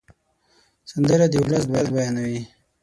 سندره د ولس درد بیانوي